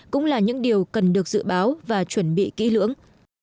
cũng là những điều cần được dự báo và chuẩn bị kỹ lưỡng